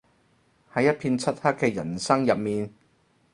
喺一片漆黑嘅人生入面